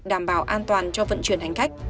đảm bảo an toàn cho vận chuyển hành khách